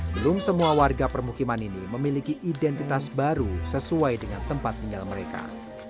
belum semua warga permukiman ini memiliki identitas baru sesuai dengan tempat tinggal mereka